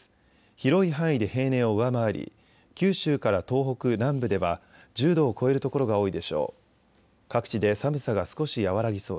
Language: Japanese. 広い範囲で平年を上回り九州から東北南部では１０度を超える所が多いでしょう。